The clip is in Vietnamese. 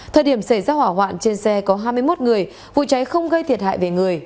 thời điểm xảy ra hỏa hoạn trên xe có hai mươi một người vụ cháy không gây thiệt hại về người